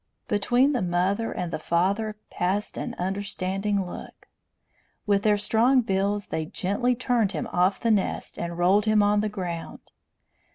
Between the mother and the father passed an understanding look. With their strong bills they gently turned him off the nest and rolled him on the ground.